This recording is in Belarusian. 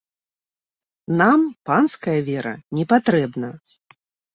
Нам панская вера не патрэбна.